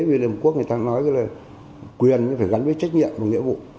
việt nam quốc người ta nói là quyền phải gắn với trách nhiệm và nghĩa vụ